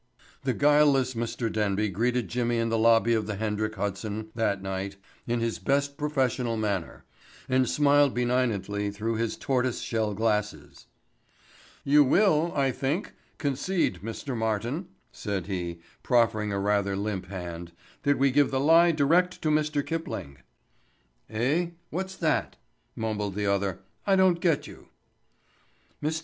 The guileless Mr. Denby greeted Jimmy in the lobby of the Hendrik Hudson that night in his best professorial manner and smiled benignantly through his tortoise shell glasses. "You will, I think, concede, Mr. Martin," said he, proffering a rather limp hand, "that we give the lie direct to Mr. Kipling." "Eh? What's that?" mumbled the other. "I don't get you." Mr.